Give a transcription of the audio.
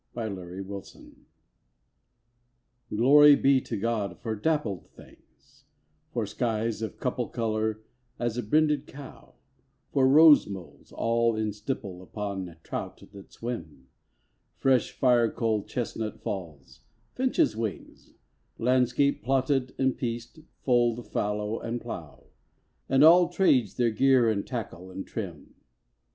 13 Pied Beauty GLORY be to God for dappled things For skies of couple colour as a brinded cow; For rose moles all in stipple upon trout that swim: Fresh firecoal chestnut falls; finches' wings; Landscape plotted and pieced fold, fallow, and plough; And àll tràdes, their gear and tackle and trim.